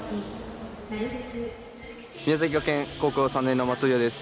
宮崎学園高校３年の松尾祐哉です。